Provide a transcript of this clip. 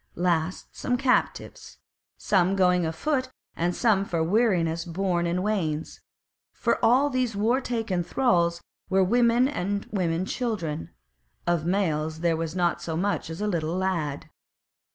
Last came captives, some going afoot and some for weariness borne in wains; for all these war taken thralls were women and women children; of males there was not so much as a little lad.